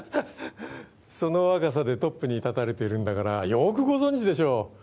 その若さでトップに立たれているんだからよーくご存じでしょう？